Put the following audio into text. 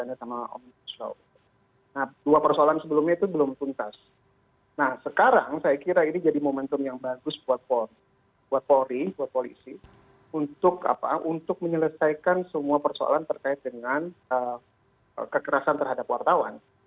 nah sekarang saya kira ini jadi momentum yang bagus buat polri buat polri buat polisi untuk menyelesaikan semua persoalan terkait dengan kekerasan terhadap wartawan